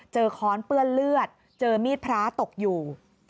ค้อนเปื้อนเลือดเจอมีดพระตกอยู่